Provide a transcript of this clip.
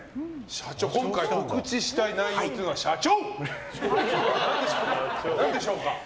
今回告知したい内容というのは何でしょうか。